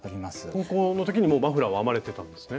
高校の時にもうマフラーは編まれてたんですね。